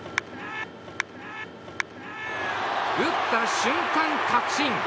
打った瞬間確信！